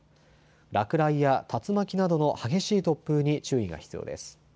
落雷や竜巻などの激しい突風に注意が必要です。